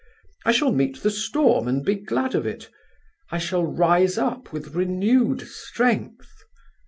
I shall meet the storm and be glad of it; I shall rise up with renewed strength.